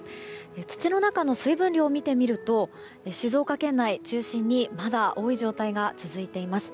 土の中の水分量を見てみると静岡県内中心にまだ多い状態が続いています。